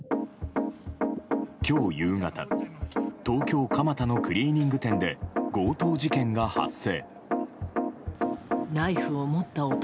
今日夕方、東京・蒲田のクリーニング店で強盗事件が発生。